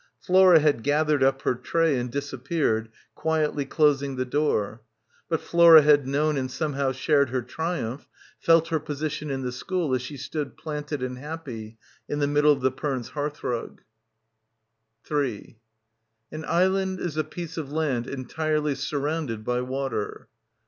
Flora had gathered up her tray and disappeared, quietly closing the door. But Flora had known and somehow shared her triumph, felt her posi tion in the school as she stood planted and happy in the middle of the Pernes' hearthrug. — 268 — BACKWATER 3 "An island is a piece of land entirely surrounded by water."